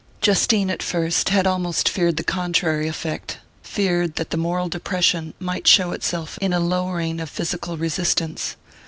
Justine, at first, had almost feared the contrary effect feared that the moral depression might show itself in a lowering of physical resistance.